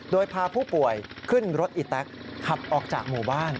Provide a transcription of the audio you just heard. โดยพาผู้ป่วยขึ้นรถอีแต๊กขับออกจากหมู่บ้าน